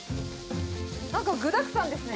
なんか具だくさんですね。